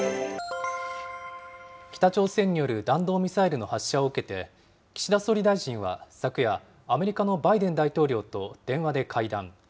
北朝鮮による弾道ミサイルの発射を受けて、岸田総理大臣は昨夜、アメリカのバイデン大統領と電話で会談。